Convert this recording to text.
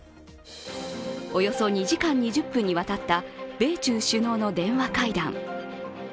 およそ２時間２０分にわたった米中首脳の電話会談。